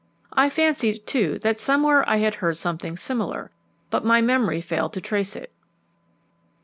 I fancied, too, that somewhere I had heard something similar, but my memory failed to trace it.